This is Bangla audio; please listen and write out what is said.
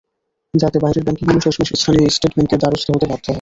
যাতে বাইরের ব্যাংকগুলো শেষমেশ স্থানীয় স্টেট ব্যাংকের দ্বারস্থ হতে বাধ্য হয়।